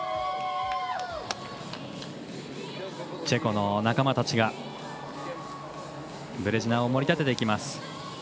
チェコの仲間たちがブレジナを盛り立てていきます。